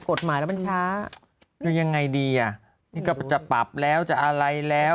กฎหมายแล้วมันช้าคือยังไงดีอ่ะนี่ก็จะปรับแล้วจะอะไรแล้ว